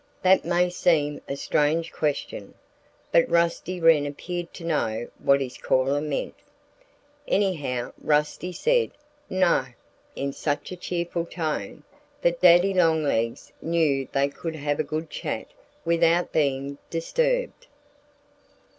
That may seem a strange question. But Rusty Wren appeared to know what his caller meant. Anyhow, Rusty said, "No!" in such a cheerful tone that Daddy Longlegs knew they could have a good chat without being disturbed.